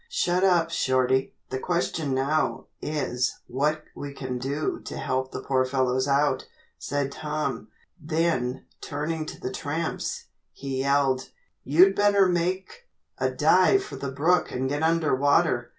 "Shut up, Shorty. The question now, is, what we can do to help the poor fellows out," said Tom; then, turning to the tramps, he yelled, "You'd better make a dive for the brook and get under water.